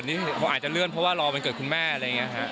นี่เขาอาจจะเลื่อนเพราะว่ารอวันเกิดคุณแม่อะไรอย่างนี้ครับ